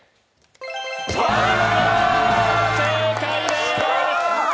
正解でーす。